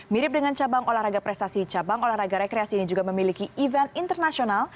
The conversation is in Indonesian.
mirip dengan cabang olahraga prestasi cabang olahraga rekreasi ini juga memiliki event internasional